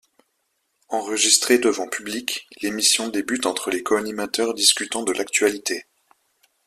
Enregistrée devant public, l'émission débute entre les co-animateurs discutant de l'actualité.